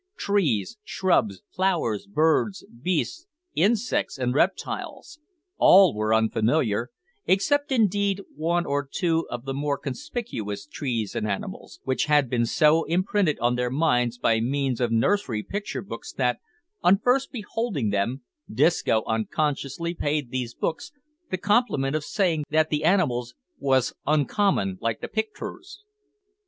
Trees, shrubs, flowers, birds, beasts, insects, and reptiles, all were unfamiliar, except indeed, one or two of the more conspicuous trees and animals, which had been so imprinted on their minds by means of nursery picture books that, on first beholding them, Disco unconsciously paid these books the compliment of saying that the animals "wos uncommon like the picturs."